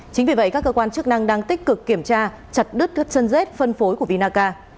chính vì vậy các cơ quan chức năng đang tích cực kiểm tra chặt đứt các chân rết phân phối của vinaca